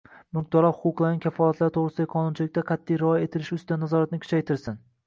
mulkdorlar huquqlarining kafolatlari to‘g‘risidagi qonunchilikka qat’iy rioya etilishi ustidan nazoratni kuchaytirsin.